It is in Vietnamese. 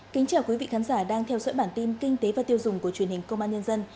kính chào quý vị khán giả đang theo dõi bản tin kinh tế và tiêu dùng của truyền hình công an nhân dân